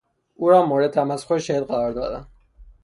او را مورد تمسخر شدید قرار دادند.